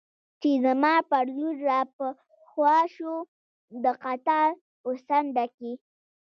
چې زما پر لور را په هوا شو، د قطار په څنډه کې.